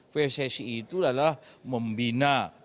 pssi itu adalah membina sepak bola